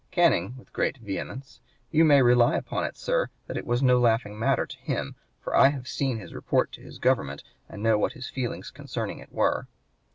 Canning, with great vehemence: 'You may rely upon it, sir, that it was no laughing matter to him; for I have seen his report to his government and know what his feelings concerning it were.'